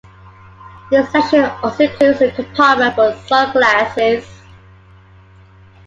This section also includes a compartment for sun glasses.